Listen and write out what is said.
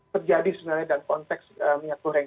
terjadi sebenarnya dalam konteks minyak goreng